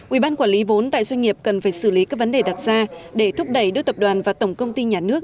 ubqv tại doanh nghiệp cần phải xử lý các vấn đề đặt ra để thúc đẩy đối tập đoàn và tổng công ty nhà nước